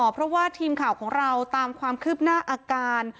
เพราะว่าทีมข่าวของเราตามความคืบหน้าอาการ